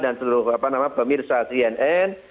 dan seluruh pemirsa cnn